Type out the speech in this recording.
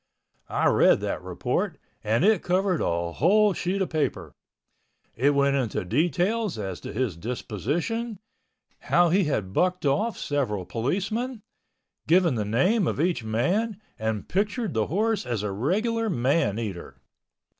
I read that report and it covered a whole sheet of paper. It went into details as to his disposition, how he had bucked off several policemen, giving the name of each man, and pictured the horse as a regular man eater.